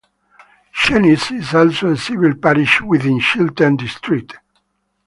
Chenies is also a civil parish within Chiltern district.